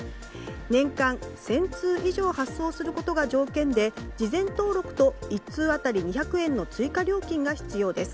年間１０００通以上発送することが条件で事前登録と１通当たり２００円の追加料金が必要です。